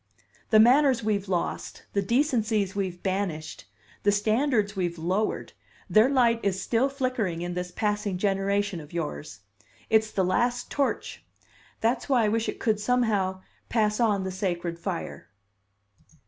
The manners we've lost, the decencies we've banished, the standards we've lowered, their light is still flickering in this passing generation of yours. It's the last torch. That's why I wish it could, somehow, pass on the sacred fire."